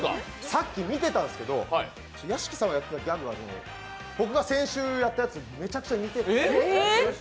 さっき見てたんですけど、屋敷さんがやってたギャグ、僕が先週やったやつとめちゃくちゃ似てるんです。